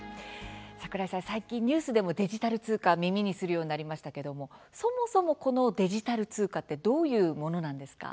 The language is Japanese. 櫻井さん、最近ニュースでもデジタル通貨よく聞くようになりましたけれどデジタル通貨ってそもそもどういうものなんですか。